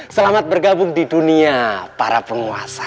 selamat bergabung di dunia para penguasa